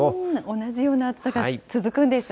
同じような暑さが続くんですね。